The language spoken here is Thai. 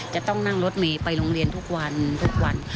จะต้องนั่งรถเมษายนไปโรงเรียนทุกวัน